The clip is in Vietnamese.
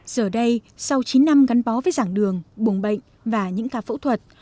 giờ đây sau chín năm gắn bó với giảng đường bùng bệnh và những ca phẫu thuật